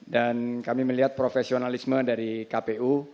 dan kami melihat profesionalisme dari kpu